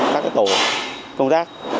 các tổ công tác